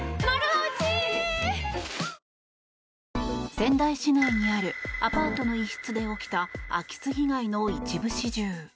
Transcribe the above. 仙台市内にあるアパートの一室で起きた空き巣被害の一部始終。